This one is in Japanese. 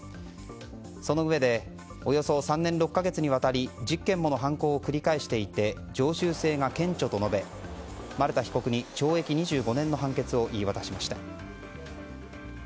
そのうえでおよそ３年６か月にわたり１０件もの犯行を繰り返していて常習性が顕著と述べ丸田被告に懲役２５年の判決を言い渡しました。